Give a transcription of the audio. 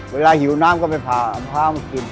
เวลาหิวน้ำก็ไปพาอัมพาวมากิน